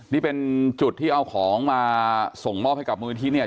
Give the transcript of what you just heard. นี่เป็นจุดที่เอาของมาส่งมอบให้กับมูลนิธิเนี่ย